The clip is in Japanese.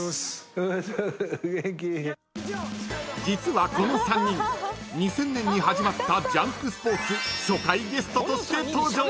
［実はこの３人２０００年に始まった『ジャンクＳＰＯＲＴＳ』］